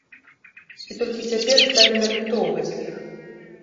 І толькі цяпер сталі нарыхтоўваць іх.